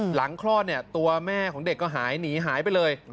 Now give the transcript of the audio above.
คลอดเนี่ยตัวแม่ของเด็กก็หายหนีหายไปเลย